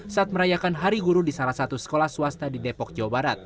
saat merayakan hari guru di salah satu sekolah swasta di depok jawa barat